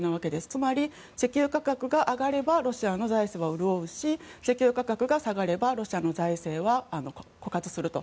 つまり、石油価格が上がればロシアの財政は潤うし石油価格が下がればロシアの財政は枯渇すると。